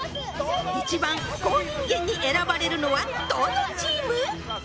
一番不幸人間に選ばれるのはどのチーム？